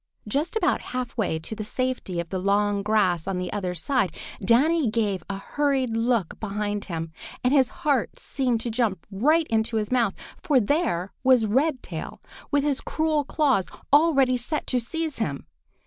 Just about half way to the safety of the long grass on the other side, Danny gave a hurried look behind him, and his heart seemed to jump right into his mouth, for there was Redtail with his cruel claws already set to seize him!